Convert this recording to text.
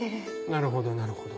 なるほどなるほど。